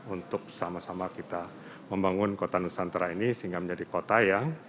untuk sama sama kita membangun kota nusantara ini sehingga menjadi kota yang